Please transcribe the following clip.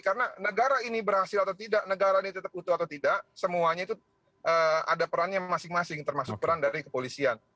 karena negara ini berhasil atau tidak negara ini tetap utuh atau tidak semuanya itu ada perannya masing masing termasuk peran dari kepolisian